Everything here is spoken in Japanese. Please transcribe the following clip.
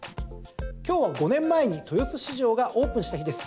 今日は５年前に豊洲市場がオープンした日です。